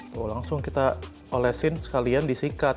tuh langsung kita olesin sekalian disikat